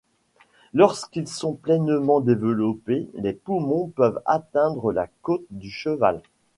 Lorsqu'ils sont pleinement développés, les poumons peuvent atteindre la côte du cheval.